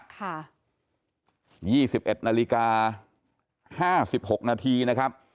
ค่ะยี่สิบเอ็ดนาฬิกาห้าสิบหกนาทีนะครับ